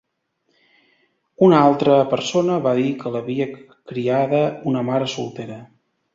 Una altra persona va dir que l'havia criada una mare soltera.